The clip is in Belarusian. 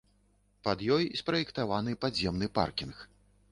Пад ёй спраектаваны падземны паркінг.